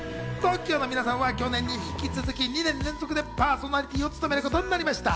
ＴＯＫＩＯの皆さんは去年に引き続き２年連続でパーソナリティーを務めることになりました。